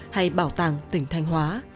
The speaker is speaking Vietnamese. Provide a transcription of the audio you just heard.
hay bảo tàng tỉnh thanh hóa